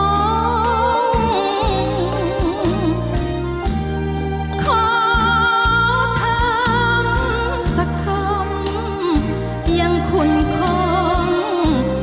ขอทำสักคำยังคุ้นคง